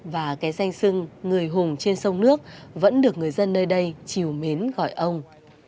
và cái danh sưng người hùng trên sông nước vẫn được người dân nơi đây chiều mến gọi ông